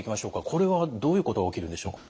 これはどういうことが起きるんでしょう？